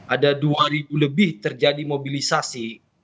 ada dua ribu lebih terjadi mobilisasi